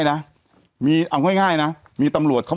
แต่หนูจะเอากับน้องเขามาแต่ว่า